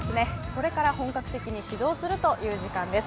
これから本格的に始動するという時間です。